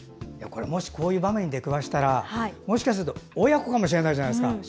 もし、こういう場面に出くわしたらもしかすると親子かもしれないじゃないですか。